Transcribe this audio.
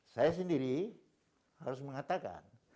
saya sendiri harus mengatakan